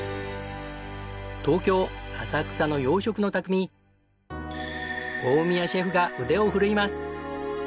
東京浅草の洋食の匠大宮シェフが腕を振るいます。